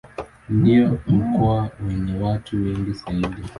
Ndio mkoa wenye watu wengi zaidi.